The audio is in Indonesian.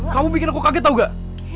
kamu bikin aku kaget tau gak